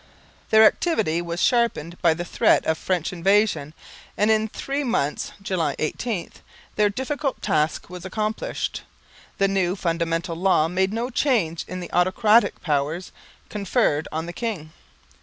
Their activity was sharpened by the threat of French invasion, and in three months (July 18) their difficult task was accomplished. The new Fundamental Law made no change in the autocratic powers conferred on the king.